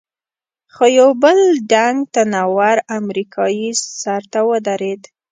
خو یو بل ډنګ، تن ور امریکایي سر ته ودرېد.